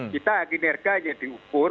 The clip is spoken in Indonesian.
kita aginerganya diukur